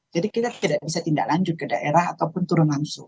jadi kita tidak bisa tindak lanjut ke daerah ataupun turun langsung